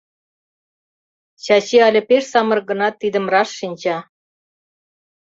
Чачи але пеш самырык гынат, тидым раш шинча.